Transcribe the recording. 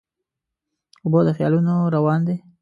اوبه د خیالونو روان دي.